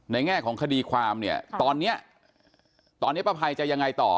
ในแง่ของคดีความเนี่ยตอนเนี่ยตอนเนี่ยพระภัยจะยังไงต่อ